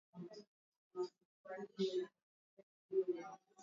vimeripoti kwamba anaongoza mashambulizi mapya